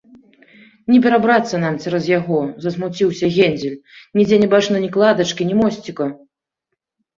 - Не перабрацца нам цераз яго, - засмуціўся Гензель, - нідзе не бачна ні кладачкі, ні мосціка